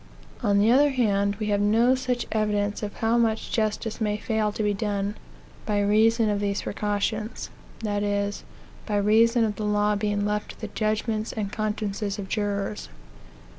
On the other hand, we have no such evidence of how much justice may fail to be done, by reason of these precautions that is, by reason of the law being left to the judgments and consciences of jurors.